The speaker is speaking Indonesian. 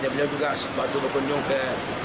beliau juga sebab itu berkunjung ke